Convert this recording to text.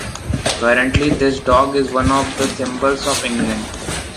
Currently, this dog is one of the symbols of England.